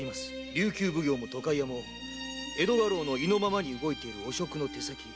琉球奉行も渡海屋も江戸家老の意のままに動いている汚職の手先。